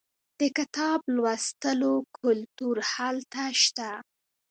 د کتاب لوستلو کلتور هلته شته.